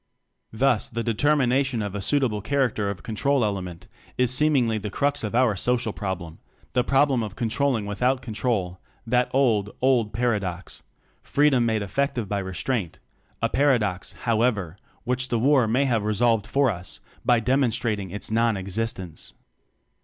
Thus, the determination of a suit able character of "control" element is seemingly the crux of our social prob lem; the problem of controlling with . out control, that old, old paradox: Freedom made effective by restraint a paradox, however, which the war may have resolved for us, by demon strating its non existence.